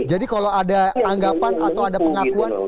jadi kalau ada anggapan atau ada pengakuan